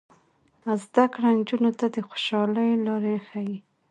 زده کړه نجونو ته د خوشحالۍ لارې ښيي.